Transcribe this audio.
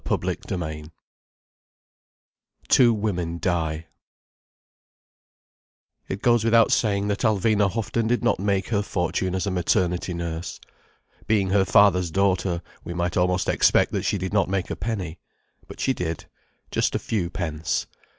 CHAPTER IV TWO WOMEN DIE It goes without saying that Alvina Houghton did not make her fortune as a maternity nurse. Being her father's daughter, we might almost expect that she did not make a penny. But she did—just a few pence.